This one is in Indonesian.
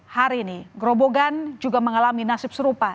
hari ini gerobogan juga mengalami nasib serupa